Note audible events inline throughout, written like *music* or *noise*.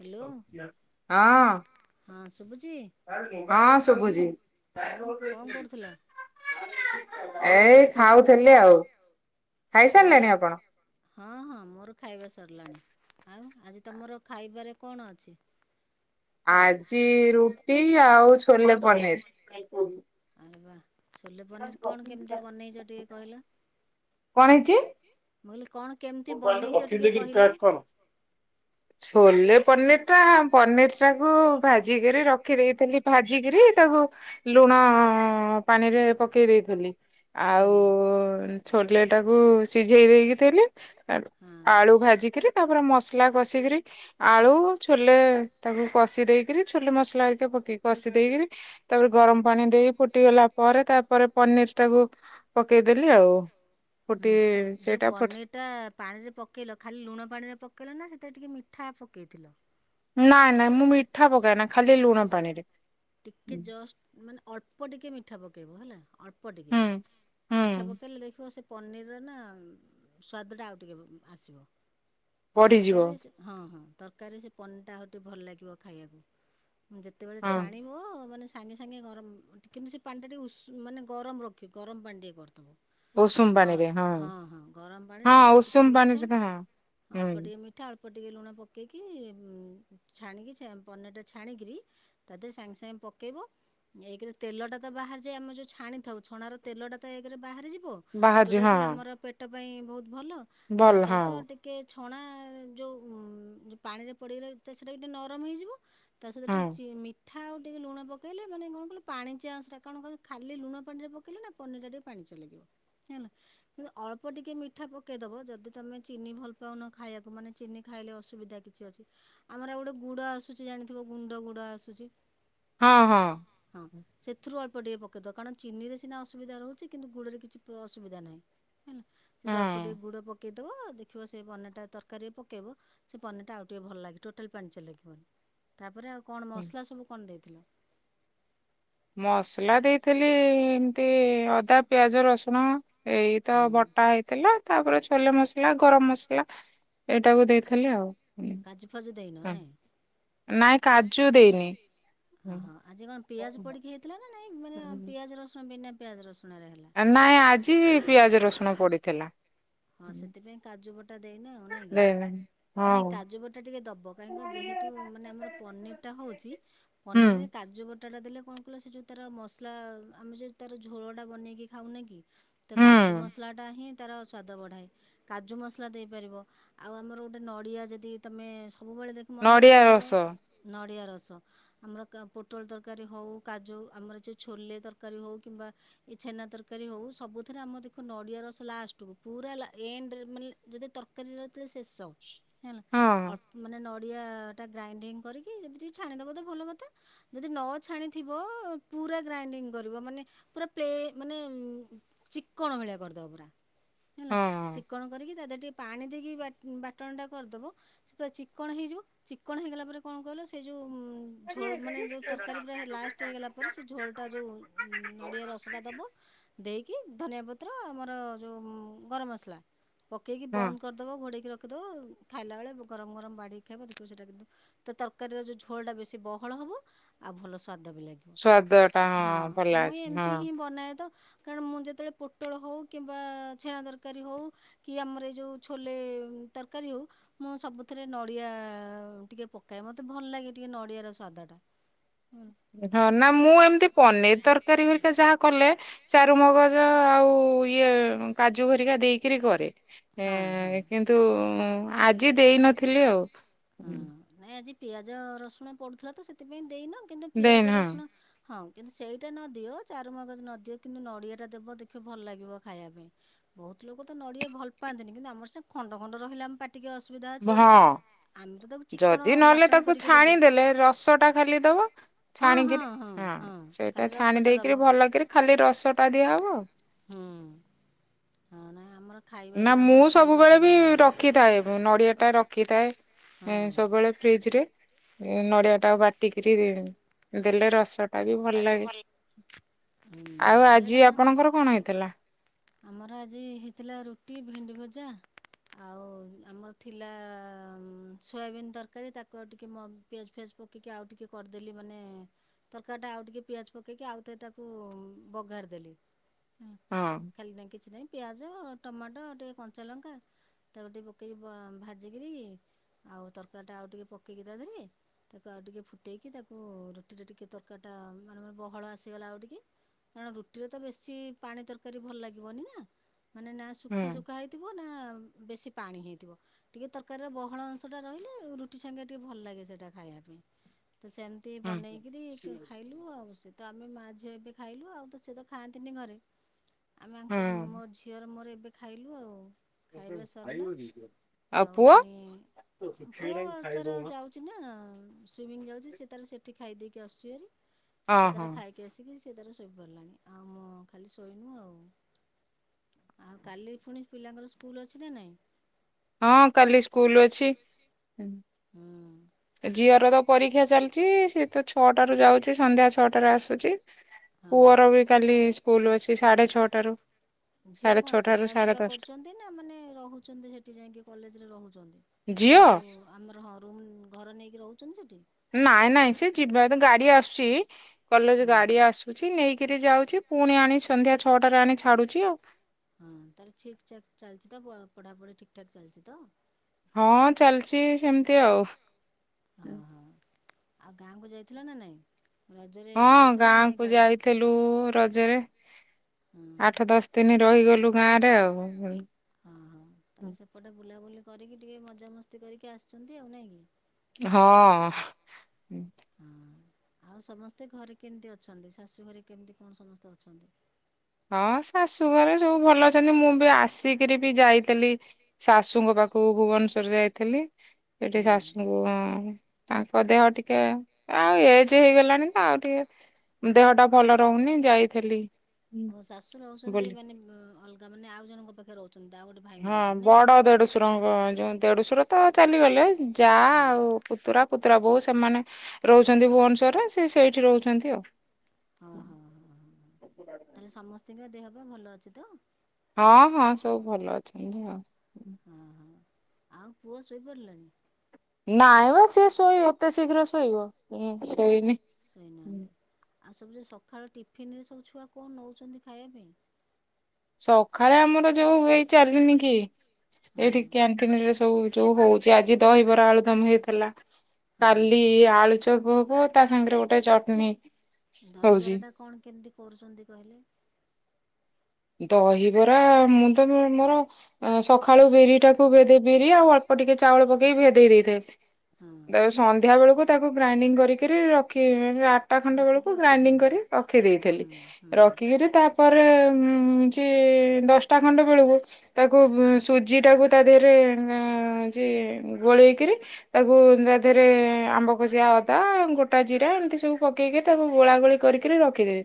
Hello ହଁ। ହଁ ଶୁଭୁଛି ହଁ ଶୁଭୁଚି। ଆଉ କଣ କରୁଥିଲ ଏଇ ଖାଉଥୁଲି ଆଉ ଖାଇ କଣ ସାରଲେଣି ଆପଣ? ହଁ ହଁ ମୋର ଖାଇବା ସରଲାଣି ଆଉ ଆଜି ତମର ଖାଇବାରେ କଣ ଅଛି? ଆଜି ରୁଟି ଆଉ ଛୋଲେ ପନିର। ଆରେ ବା। ଛୋଲେ ପନିର କଣ କେମତି ବନେଇଚ ଟିକେ କହିଲ? କଣ ହେଇଛି? ମୁଁ କହିଲି କଣ କେମତି ବନେଇଚ ଟିକେ କହିଲ? ଛୋଲେ ପନିରଟା ପନିର ଟାକୁ ଭାଜି କିରି ରଖି ଦେଇେଇଥିଲି ଭାଜିିକିରି ତାକୁ ଲୁଣ ପାଣିରେ ପକେଇ ଦେଇଥିଲି ଆଉ ହୁଁ ଛୋଲେ ଟାକୁ ସିଝେଇ ଦେଇକି ଥିଲି। ଆଳୁ ଆଳୁ ହଁ ଭାଜିିକିରି ତାପରେ ମସଲା କଷିକିରି ଆଳୁ ଛୋଲେ ତାକୁ କଷି ଦେଇକିରି ଛୋଲେ ମସଲା ହରିକା ପକେଇ କଷି ଦେଇକିରି ତାପରେ ଗରମ ପାଣି ଦେଇ ଫୁଟିଗଲା ପରେ ତାପରେ ପନିରଟାକୁ ପକେଇଦେଲି ଆଉ। ଫୁଟି ହୁଁ ଛୁ ଯୋଉ ସେଇଟା ଫୁ ପନିଟା ପାଣିରେ ପକେଇଲ ଖାଲି ଲୁଣ ପାଣିରେ ପକେଇଲ ନା ସେଥିରେ ଟିକିଏ ମିଠା ପକାଇଥିଲ? ନା ନା ମୁଁ ମିଠା ପକାଏ ନା ଖାଲି ଲୁଣ ପାଣିରେ। ଟିକେ ଜଷ୍ଟ ମାନେ ଅଳ୍ପ ଟିକେ ମିଠା ପକେଇବ ହେଲା ଅଳ୍ ପ ଟିକେ ହୁଁ। ମିଠା ହୁଁ ପକେଇଲେ ଦେଖିବ ସେ ପନିରର ନା ଉ ସ୍ୱାଦଟା ଆଉ ଟିକେ ବ ଆସିବ କିନ୍ତୁ ବଢିଯିବ ତରକାରୀରେ ସେ ହଁ ହଁ ତରକାରୀ ସେ ପନିଟା ଆହୁରି ଟିକେ ଭଲ ଲାଗିବ ଖାଇବାକୁ ମୁଁ ଯେତେବେ ହଁ ଛାଣିବ ମାନେ ସ୍ ସାଙ୍ଗେ ସାଙ୍ଗେ ଗରମ କିନ୍ତୁ ଟିକେ କିନ୍ତୁ ସେ ପାଣିଟା ଟିକେ ଉଷୁମ ମାନେ ଗରମ ରଖିବେ ଗରମ ପାଣି ଟିକେ କରିଥିବ। ଉଷୁମ ଗ ପାଣିରେ ହଁ ହଁ ଗରମ ପାଣିରେ ଅଳ୍ପ ହଁ ଟିକେ ଉଷୁମ ମିଠା ପାଣିରେ ତ ହଁ। ହୁଁ ଅଳ୍ପ ଟିକେ ମିଠା ଅଳ୍ ପ ଟିକେ ଲୁଣ ପକେଇକି ଉଁ ଛାଣିକି ଛା ପନିରଟା ଛାଣିକିରି ତା ଦେହରେ ସାଙ୍ଗେ ସାଙ୍ଗେ ପକାଇବ ଏକେରେ ତେଲଟା ତ ବାହାରି ଯାଏ ଆମ ଯୋଉ ଛାଣିଥାଉ ଛଣାର ତେଲଟା ତ ଏକେରେ ବାହାରିଯିବ ବାହାରିଛି ଯୋଉଟା କି ହଁ ଆମର ପେଟ ପାଇଁ ବୋହୁତ ଭଲ ତା ଭଲ ହଁ ସହିତ ଟି କେ ଛଣା ଯୋଉ ଉଁ ଯୋଉ ପାଣିରେ ପଡିଗଲେ ତ ସେଟା ବି ଟିକେ ନରମ ହେଇଯିବ ତା ସହିତ ହଁ ଟିକେ ଚି ମି ଠା ଆଉ ଟିକେ ଲୁଣ ପକେଇଲେ ମାନେ କଣ କହିଲ ପାଣିଚିଆ ଅଂଶଟା କଣ କହିଲ ଖାଲି ଲୁଣ ପାଣିରେ ପକେଇଲେ ନା ପନିରଟା ଟିକେ ପାଣିଚିଆ ଲାଗିବ ହେଲା। କିନ୍ତୁ ଅଳ୍ପ ଟିକେ ମିଠା ପକେଇଦବ ଯଦି ତମେ ଚିନି ଭଲ ପାଉନ ଖାଇବାକୁ ମାନେ ଚିନି ଖାଇଲେ ଅସୁବିଧା କି ଛି ଅଛି ଆମର ଗୋଟେ ଗୁଡ ଆସୁଚି ଜାଣିଥିବ ଗୁଣ୍ଡ ଗୁଡ ଆସୁଚି। ହଁ ହଁ। ହଁ। ସେଥିରୁ ଅଳ୍ପ ଟିକେ ପକେଇଦବା କାରଣ ଚିନିରେ ସିନା ଅସୁବିଧା ରହୁଚି କିନ୍ତୁ ଗୁଡ଼ରେ କିଛି ପ ଅସୁବିଧା ନାହିଁ। ହେଲା ସେ ଅଳ୍ପ ଟିକେ ହଁ। ଗୁଡ଼ ପକେଇଦବ ଦେଖିବ ସେ ବନଟା ତରକାରୀରେ ପକେଇବ। ସେ ପନିରଟା ଆଉ ଟିକେ ଭଲ ଲାଗେ ଟୋଟାଲ ପାଣିଚିଆ? ଲାଗିବନି ତାପରେ ଆଉ କଣ ମସଲା ସବୁ କଣ ଦେଇଥିଲ? ମସଲା ଦେଇଥିଲି ଏମିତି ଅଦା ପିଆଜ ରସୁଣ ଏଇତ ହଁ ବଟା ହେଇ ଥିଲା ତାପରେ ଛୋଲେ ମସଲା ଗରମ ମସଲା ଏଇଟାକୁ ଦେଇଥିଲି ଆଉ କାଜୁ ଫାଜୁ ଦେଇନ ନାଇଁ ନାଇଁ କାଜୁ ଦେଇନି। ହହଁ ଆଜି କଣ ପିଆଜ ପଡିକି ହେଇଥିଲା ନା ନାଇଁ ମାନେ ପିଆଜ ରସୁଣ ବିନା ପିଆଜ ରସୁଣରେ ହେଲା? ନାଇଁ ଆଜି ବି ପିଆଜ ରସୁଣ ପଡିଥିଲା। ହଁ ସେଥିପାଇଁ କାଜୁ ବଟା ଦେଇନ ଆଉ ନାଇଁ କି। ଦେଇନାହିଁ ନାଇଁ ହଁ। କାଜୁ ବଟା ଟିକେ ଦବ ହୁଁ କାହିଁକିନା ଯେହେତୁ ମାନେ ଆମର ପନିର ଟା ହଉଛି ପନିରି ରେ କାଜୁ ଖଟାଟା ଦେଲେ କଣ କିଲଲେ ସେ ଯେଉଁ ତାର ମସଲା ଆମେ ଯେଉଁ ତା ର ଝୋଳଟା ବନେଇକି ଖାଉନା କି। ତ ହୁଁ କାଜୁ ମସଲା ଟା ହିଁ ତାର ସ୍ଵାଦ ବଢାଏ। କାଜୁ ମସଲା ଦେଇପାରିବ ଆଉ ଆମର ଗୋଟେ ନଡିଆ ଯଦି ତମେ ସବୁବେଳେ ଦେଖ ମନେ ନଡିଆ ରଖିଥିବ ରସ ନଡ଼ିଆ ରସ। ଆମର ପୋଟଳ ତରକାରୀ ହଉ କାଜୁ ଆମର ଯଉ ଛୋଲେ ତରକାରୀ ହଉ କିମ୍ବା ଏ ଛେନା ତରକାରୀ ହଉ ସବୁଥିରେ ଆମ ଦେଖୁ ନଡିଆ ରସଲା ଲାଷ୍ଟକୁୁ ପୁରା ଏଣ୍ଡରେ ମାନେ ଯଦି ତରକାରୀରେ ର ଶେଷ ହେଲା। ହଁ ମାନେ ନଡିଆ ଟା ଗ୍ରାଇଣ୍ଡିଙ୍ଗ କରିକି ଯଦି ଟିକେ ଛାଣିଦବ ତ ଭଲ କଥା। ଯଦି ନ ଛାଣିଥିବ ପୁରା ଗ୍ରାଇଣ୍ଡିଙ୍ଗ କରିବ ମାନେ ପୁରା ପ୍ ମାନେ ଚିକଣ ଭଳିଆ କରିଦବ ପୁରା। ହେଲା ହଁ ଚିକଣ କରିକି ତା ଦେହରେ ଟିକେ ପାଣି ଦେଇକି ବାଟଣ ଟା କରିଦବ। ସେ ପୁରା ଚିକଣ ହେଇଯାଉ ଚିକଣ ହେଇଗଲା ପରେ କଣ କହିଲ ସେ ଯଉ ଝୋଳ ମାନେ ଯୋଉ ତରକାରୀ ପୁରା ଲାଷ୍ଟ ହେଇଗଲା ପରେ ସେ ଝୋଳଟା ଯୋଉ ନଡ଼ିଆ ରସଟା ଦେବ। ଦେଇକି ଧନିଆ ପତ୍ର ଆମର ଯେଉଁ ଗରମ ମସଲା ପକେଇକି ହଁ ବନ୍ଦ କରି ବ ଘୋଡକି ରଖିଦବ ଖାଇଲା ବେଳେ ଗରମ ଗରମ ବାଡିକି ଖାଇବ ସେଇଟା କିନ୍ତୁ ତ ତରକାରୀର ଯୋଉ ଝୋଳ ଟା ବେଶୀ ବହଳ ହବ ଆଉ ଭଲ ସ୍ଵାଦବି ଲାଗିବ। ସ୍ଵାଦ ଟା ହଁ ଭଲ ମୁଁ ଅଛି ଏମତି ହଁ ହିଁ ବନାଏ ତ କାରଣ ମୁଁ ଯେତେବେଳେ ପୋଟଳ ହଉ କିମ୍ବା ଛେଣା ତରକାରୀ ହଉ କି ଆମର ଯୋଉ ଛୋଲେ ତରକାରୀ ହଉ ମୁଁ ସବୁଥିରେ ନଡିଆ ଟିକେ ପକାଏ ମତେ ଭଲ ଲାଗେ ଟିକେ ନଡିଆର ସ୍ଵାଦ ଟା। ହୁଁ। ହଁ ନା ମୁଁ ଏମିତି ପନିର ତରକାରୀ କରିକା ଯାହା କଲେ ଚାରୁ ମଗଜ ଆଉ ଇଏ କାଜୁ ଘରିକା ଦେଇକିରି କରେ। ହଁ ଏଁ ଏ କିନ୍ତୁ ଆଜି ଦେଇନଥିଲି ଆଉ ନାଇ ଆଜି ପିଆଜ ରସୁଣ ପଡୁଥିଲା ତ ସେଥିପାଇଁ ଦେଇନ କିନ୍ତୁ ଦେଇନ ପିଆଜ ରସୁଣ ହଁ କିନ୍ତୁ ସେଇଟା ନ ଦିଅ। ଚାରୁମଗଜ ନଦିଅ। କିନ୍ତୁ ନଡ଼ିଆ ଟା ଦେବ ଦେଖିବ ଭଲ ଲାଗିବ ଖାଇବା ପାଇଁ। ବହୁତ ଲୋକ ତ ନଡିଆ ଭଲ ପାଆନ୍ତି ନି। କିନ୍ତୁ ଆମର ସେ ଖଣ୍ଡ ଖଣ୍ଡ ରହିଲା ଆମ ପା ଟିକେ ଅସୁବିଧା ହଁ ଅଛି। ହଁ ଆମେ ତ ତାକୁ ଚିକଣ ଯଦି ନହେଲେ ବାଟଣ ତାକୁ କରିକି ଦେବେ ଛାଣିଦେଲେ। ରସ ଟା ଖାଲି ଦବ। ହଁ ହଁ ଛାଣିକିରି ହଁ। ଖାଲି ସେଇଟା ଛାଣି ରସଟା ଦବ ଦେଇକିରି ଭଲ କରି ଖାଲି ରସ ଟା ଦିଆହବ। ହଁ ହଁ ନାଇଁ ଆମର ନା ବି ଆମର ମୁଁ ଖାଇବା ସବୁବେଳେ ବି ସରିଗଲାଣି ରଖିଥାଏ। ନଡିଆ ଟା ରଖିଥାଏ। ହଁ ଉଁ ସବୁବେଳେ ଫ୍ରିଜ ରେ। ନଡିଆ ଟା ବାଟିକିରି ଦେଲେ ରସଟା ଭାରି ଭଲ ଲାଗେ। ହୁଁ *inaudible* ଆଉ ନଡ଼ିଆଟା ଆଜି ତ ଆପଣଙ୍କର କଣ ହେଇଥିଲା। ଆମର ଆଜି ହେଇଥିଲା ରୁଟି ଭେଣ୍ଡି ଭଜା ଆଉ ଆମର ଥିଲା ସୋୟାବିିନ ତରକାରୀ। ତାକୁ ଆଉ ଟିକେ ପିଆଜ ଫିଆଜ ପକାଇକି ଆଉ ଟିକେ କରିଦେଲି ମାନେ ଖଟା ଟା ଆଉ ଟିକେ ପିଆଜ ପକେଇକି ଆଉଥରେ ତାକୁ ବଘାର ଦେଲି। ହୁଁ ହଁ ଖାଲି ନାହିଁ କିଛି ନାହିଁ ପିଆଜ ଟମାଟ ଟିକେ କଞ୍ଚାଲଙ୍କା ତାକୁ ଟିକେ ପକେଇବା ଭାଜିକିରି ଆଉ ତରକାରୀଟା ଆଉ ଟିକେ ପକେଇକି ତାଧେରେ ତାକୁ ଆଉ ଟିକେ ଫୁଟେଇକି ତାକୁ ରୁଟିରେ ଟିକେ ତର୍ କାରଟା ମାନେ ମା ବହଳ ଆସିଗଲା ଆଉ ଟିକେ। କାରଣ ରୁଟିରେ ତ ବେଶୀ ପାଣି ତରକାରୀ ଭଲ ଲାଗିବନି ନା ମାନେ ନା ହୁଁ ସୁୁଖା ସୁୁଖା ହେଇ ଥିବ ନା ବେଶୀ ପାଣି ହେଇଥିବ। ଟିକେ ତରକାରୀରେ ବହଳ ଅଂଶଟା ରହିଲେ ରୁଟି ସାଙ୍ଗେରେ ଟିକେ ଭଲ ଲାଗେ ସେଇଟା ଖାଇଆ ପେଇଁ ତ ସେମ୍ ତି ହୁଁ ବନେଇକିରି କି ଖାଇଲୁ ଆଉ ସେ ତ ଆମେ ମା ଝିଅ ଏବେ ଖାଇଲୁ ଆଉ ତ ସେ ତ ଖାଆନ୍ତିନି ଘରେ। ଆମେ ୟାଙ୍କୁ ମୋ ହୁଁ ଝିଅର ମୋର ଏବେ ଖାଇଲୁ ଆଉ। ଖାଇବା ସରଲା ଆଉ ଫୁଣି ଆଁ ପୁଅ ଆଉ ତାର ଯାଉଚି ନା ସୁ୍ ଟ୍ରିମିଂ ଯାଉଛି ସିଏ ତାର ସେଠି ଖାଇ ଦେଇକି ଆସୁଛି ଭାରି ହଁ ସିଏ ହଁ ତାର ଖାଇ କି ଆସିକିରି ସିଏ ତାର ଶୋଇପଡିଲାଣି ଆଉ ମୁଁ ଖାଲି ଶୋଇନୁ ଆଉ। ଆଉ କାଲି ଫୁଣି ପିଲାଙ୍କର ସ୍କୁଲ ଅଛି ନା ନାଇଁ? ହଁ କାଲି ସ୍କୁଲ ଅଛି। ହଁ। ଏ ଜିଅର ତ ପରିକ୍ଷା ଚାଲିଚି ସିଏ ତ ଛଅଟାରୁ ଯାଉଛି ସନ୍ଧ୍ୟା ଛଅଟାରେ ଆସୁଚି। ହଁ। ପୁଅର ବି କାଲି ସ୍କୁଲ ଅଛି ସାଡେ ସାଢ଼େ ଛଅଟାରୁ। ଛଅଟାରେ। ଝିଅ ସାଢେ କଣ ଛଅଟାରୁ ଯିବା ସାଢେ ଆସିବା ଦଶଟା କରୁଛନ୍ତି ନା ମାନେ ରହୁଛନ୍ତି ସେଠି ଯାଇକି କଲେଜରେ ରହୁଛନ୍ତି। ମାନେ ଜିଅ ଯେଉଁ ଆମର ହଁ ରୁମ୍ ଘର ନେଇକି ରହୁଛନ୍ତି ସେଠି। ନାଇଁ ନାଇଁ ସିଏ ଯିବା ଦା ଗାଡି ଆସୁଚି କଲେଜ ହଁ। ଗାଡି ଆସୁଛି ନେଇକିରି ଯା ଆଉଛି ପୁଣି ଆଣି ସନ୍ଧ୍ୟା ଛଅଟାରେ ଆଣି ଛାଡୁଛି ଆଉ। ହଁ ତାହେଲେ ଛିକ୍ ଛାକ୍ ଚାଲିଛି ତ ପ ପଢାପଢି ଠିକ୍ ଠାକ୍ ଚାଲିଛି ତ? ହଁ ଚାଲିଛି ସେମତି ଆଉ। ଅ ହ ଆଉ ଗାଁକୁ ଯାଇଥିଲ ନା ନାଇଁ ରଜରେ ଯାଇଥିଲ ନା ନାଇଁ କୁଆଡେ ବୁ ଓ ରଜେରେ ଆଠ ଦଶ ଦିନି ରହିଗଲୁ ଗାଁରେ ଆଉ ଉଁ ଉଁ। ହଁ ହଁ ତାହେଲେ ସେପଟେ ବୁଲାବୁଲି କରିକି ଟିକେ ମଜାମସ୍ତି କରିକି ଆସିଛନ୍ତି ଆଉ ନାଇଁ କି। ହଁ ଉଁ। ହଁ। ଆଉ ସମସ୍ତେ ଘରେ କେମତି ଅଛନ୍ତି ଶାଶୁ ଘରେ କେମତି କଣ ସମସ୍ତେ ଅଛନ୍ତି? ହଁ ଶାଶୁ ଘରେ ସବୁ ଭଲ ଅଛନ୍ତି ମୁଁ ବି ଆସିକିରି ବି ଯାଇତେଲି। ଶାଶୁଙ୍କ ପାଖୁକୁ ଭୁବନଶ୍ଵର ଯାଇଥେଲି ସେଠି ଶାଶୁଙ୍କୁ ଉଁ ତାଙ୍କ ଦେହ ଟିକେ ଆଉ ଏଜେ ହେଇଗଲାଣି ତ ଆଉ ଟିକେ ଦେହଟା ଭଲ ରହୁନି ଯାଇଥେଲି। ଓହୋ ଶାଶୁ ରହୁଛନ୍ତି ମାନେ ଅଲଗା ମାନେ ବୁ ଅଲଗା ମାନେ ଆଉ ଜଣଙ୍କ ପାଖେ ରହୁଛନ୍ତି ଆଉ ଗୋଟେ ଭା ହଁ ବଡ ଦେଡୁଶୁରଙ୍କ ଯୋଉ ଦେଡୁଶୁର ତ ଚାଲିଗଲେ ଯା ହୁଁ ଆଉ ପୁତୁରା ପୁତୁରା ବୋଉ ସେମାନେ ରହୁଛନ୍ତି ଭୁବନଶ୍ୱରରେ ସିଏ ସେଇଠି ରହୁଛନ୍ତି ଆଉ। ହ ହ ହ ହ ହ ତାହେଲେ ସମସ୍ତିଙ୍କ ଦେହ ପା ଭଲ ଅଛି ତ। ହଁ ହଁ ସବୁ ଭଲ ଅଛନ୍ତି ଆଉ। ହଁ ହଁ ଆଉ ପୁଅ ଶୋଇପଡିଲାଣିି। ନାଇଁ ବା ସିଏ ଶୋଇ ଓତେ ଶୀଘ୍ର ଶୋଇବ ଉଁ ଶୋଇନି। ଶୋଇନାହାନ୍ତି ଆଉ ସବୁ ଯୋଉ ସଖାଳ ଟିଫିନିରେ ସବୁ ଛୁଆ କଁ ନଉଛନ୍ତି ଖାଇଆ ପେଇଁ। ସଖାଳେ ଆମର ଯୋଉ ଏଇ ଚାଲୁନି କି ହଁ ଏଇଠି କ୍ୟାଣ୍ଟିନିରେ ସବୁ ଯୋଉ ହଉଚି ଆଜି ଦହିବରା ଆଳୁଦମ୍ ହେଇଥେଲା ହଁ କାଲି ଆଳୁଚପ୍ ହବ। ତା ସାଙ୍ଗରେ ଗୋଟାଏ ଚଟନୀ। ଦହିବରାଟା କଣ କେମତି କରୁଛନ୍ତି କହିଲେ। ଦହିବରା ମୁଁ ତ ମୋ ମୋର ଆଁ ସଖାଳୁ ବିରିଟାକୁ ଭେଦେଇ ବିରି ଆଉ ଅଳ୍ପ ଟିକେ ଚାଉଳ ପକେଇକି ଭେଦେଇ ଦେଇଥାଏ। ହଁ ଦାକୁ ସନ୍ଧ୍ୟା ବେଳୁକୁ ତାକୁ ଗ୍ରାଇଣ୍ଡିଙ୍ଗ୍ କରିକିରି ରଖି ଉଁ ଉଁ ସେ ଆଟଟା ଖଣ୍ଡେ ବାଟିକି ବେଳୁକୁ ଗ୍ରାଇଣ୍ଡିଙ୍ଗ୍ ରଖିଦିଅନ୍ତି କରି ର ଖିଦେଇଥେଲି ହୁଁ ହୁଁ ରଖିକିରି ତାପରେ ଉଁ ଯେ ଦଶ୍ ଟା ଖଣ୍ଡ ବେଳକୁ ତାକୁ ସୁଜିଟାକୁ ତା ଦେହରେ ଯେ ଗୋଳେଇକରି ତାକୁ ତା ଦେହରେ ଆମ୍ବ କଷିଆ ଅଦା ଗୋଟା ଜିରା ଏମିତି ସବୁ ପକେଇକି ତାକୁ ଗୋଳା ଗୋଳି କରିକି ରଖିଦେବ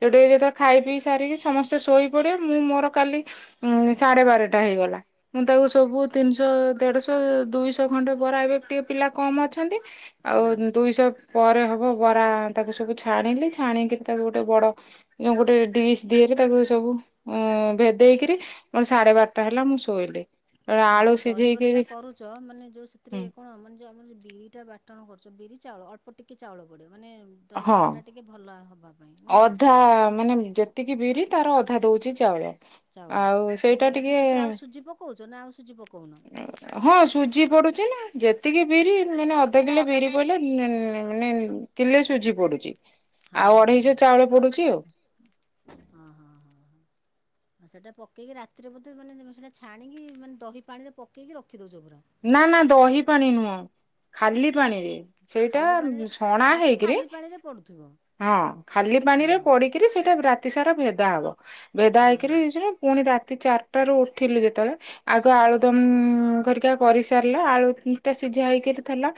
ଯୋଉଠୁ ଯେତେବେଳେ ଖାଇ ପିଇ ସାରିକି ସମସ୍ତେ ଶୋଇପଡିବେ ମୁଁ ମୋର କାଲି ଉଁ ସାଢେ ବାରଟା ହେଇଗଲା ମୁଁ ତାକୁ ସବୁ ତିନିଶହ ଦେଢଶହ ଦୁଇଶହ ଶ ଖଣ୍ଡେ ବରା ଏବେ ଟିକେ ପିଲା କମ ଅଛନ୍ତି ଆଉ ଦୁଇଶହ ହଁ ପରେ ହବ ବରା ତାକୁ ସବୁ ଛାଣିଲି ଛାଣିକିରି ତାକୁ ଗୋଟେ ବଡ ଗୋଟେ ଡିସ୍ ଦିରେ ତାକୁ ସବୁ ଉ ଭେଦେଇକିରି ମୋର ସାଢେ ବାରଟା ହେଲା ମୁଁ ଶୋଇଲି। ଆଳୁ ସିଝେଇକିରି ଚ ମାନେ ଯେଉ ସେଥିରେ କଣ ମାନେ ଯୋଉ ଆମର ବିରିଟା ବାଟଣ କରୁଛ ବିରି ଚାଉଳ ଅଳ୍ପ ଟିକେ ଚାଉଳ ପଡ଼ିବ ମାନେ ହଁ ଦହିବରାଟା ଟିକେ ଭଲ ହବା। ପାଇଁ ନାଇଁ କି ଅଧା ମାନେ ଯେତିକି ବିରି ତାର ଅଧା ଦଉଛି ଚାଉଳ। ଚାଉଳ ଆଉ ମୁଁ ସେଇଟା କହିବା କଥା ଟିକେ ସେଥିରେ ଆଉ ସୁଜି ପକଉଛ ନା ଆଉ ସୁଜି ପକଉନ? ହଁ ସୁଜି ପଡୁଛି ନା ଯେତିକି ବିରି ମାନେ ଅଧ କିଲୋ ବିରି ପଡିଲେ ନେ ନେ ମାନେ କିଲେ ସୁଝି ପଡୁଛି। ହଁ ଆଉ ହଁ ହଁ ଅଢେଇଶହ ଚାଉଳ ପଡୁଛି ଆଉ ହଁ ହଁ ହଁ ହଁ। ଆଉ ସେଇଟା ପକେଇକି ରାତିରେ ବୋଧେ ମାନେ ସେଇଟା ଛାଣିକି ମାନେ ଦହି ପାଣିରେ ପକେଇକି ରଖିଦଉଛ ପୁରା। ନା ନା ଦହି ପାଣି ନୁହଁ ଖାଲି ପାଣିରେ। ସେଇଟା ଖାଲି ପାଣିରେ ଛଣା ଫାଷ୍ଟ ହେଇକିରି ଖାଲି ପାଣିରେ ପଡୁଥିବ ହଁ ଖାଲି ହଁ। ପାଣିରେ ପଡିିକି ସେଇଟା ରାତି ସାରା ଭେଦା ହବ ଭେଦା ହଁ ହେଇକିରି ହଁ। ପୁଣି ରାତି ଚାରିଟାରୁୁ ଉଠିଲୁ ଯେତେବେଳେ ଆଗ ଆଳୁଦମ ଘରିକା କରିସାରିଲା ଆଳୁଟା ସିଝା ହେଇକରି ଥିଲା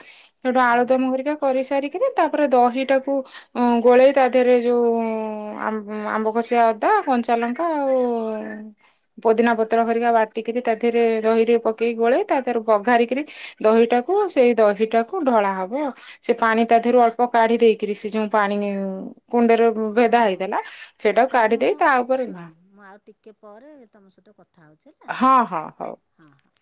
ସେଟୁ ଆଳୁ ହଁ। ଦମ ହରିକା କରିସାରିକରି ତାପରେ ଦହିଟାକୁ ଉ ଗୋଳେଇ ତା ଦେହରେ ଯୋଉ ଆମ୍ବ କଷିଆ ଅଦା କଞ୍ଚା ଲଙ୍କା ଆଉ ପୋଦିନା ପତ୍ର ହରିକା ବା ବାଟିକରି ତା ଦେହରେ ଦହିରେ ପକେଇକି ଗୋଳେଇ ତା ଦେହରେ ବଘାରିକରି ଦହିଟାକୁ ସେଇ ଦହିଟାକୁ ଢଳା ହବ ଆଉ ସେ ପାଣି ତା ଦେହରୁ ଅଳ୍ପ କାଢି ଦେଇକିରି ସେ ଯୋଉ ପାଣି କୁଣ୍ଡରେ ହଁ ଭେଦା ହଉ ହେଇଥିଲା ହଉ ସେଟା ତାହେଲେ ମୁଁ କାଢିଦେଇ ତା ଉପରେ ଶୁଣ ନା ମୁଁ ଆଉ ଟିକେ ପରେ ତମ ସହିତ କଥା ହଉଛି। ହଁ ହଁ ହଉ। ହଁ ହଁ।